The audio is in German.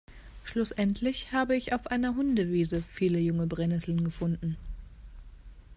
Schlussendlich hab ich auf einer Hundewiese viele junge Brennesseln gefunden.